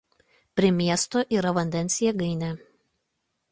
Prie miesto yra vandens jėgainė.